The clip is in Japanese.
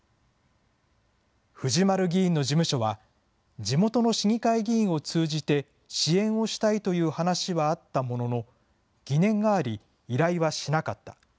藤丸議員の事務所は、地元の市議会議員を通じて、支援をしたいという話はあったものの、疑念があり、依頼はしなかった。